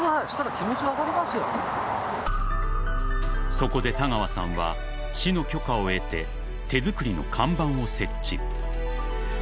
［そこで田川さんは市の許可を得て手作りの看板を設置］